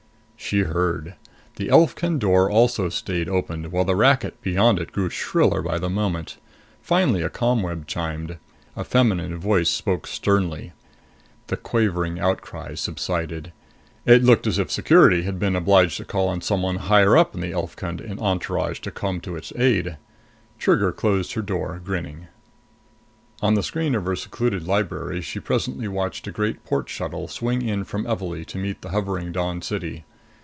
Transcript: She heard. The Elfkund door also stayed open, while the racket beyond it grew shriller by the moment. Finally a ComWeb chimed. A feminine voice spoke sternly. The Quavering outcries subsided. It looked as if Security had been obliged to call on someone higher up in the Elfkund entourage to come to its aid. Trigger closed her door grinning. On the screen of her secluded library, she presently watched a great port shuttle swing in from Evalee to meet the hovering Dawn City.